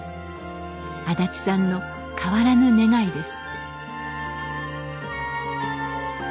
安達さんの変わらぬ願いです。